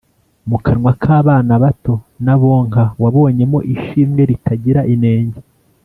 Mu kanwa k’abana bato n’abonka wabonyemo ishimwe ritagira inenge